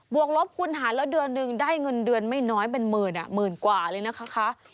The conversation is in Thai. วกลบคุณหารแล้วเดือนหนึ่งได้เงินเดือนไม่น้อยเป็นหมื่นหมื่นกว่าเลยนะคะ